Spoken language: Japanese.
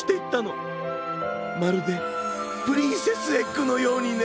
まるでプリンセスエッグのようにね。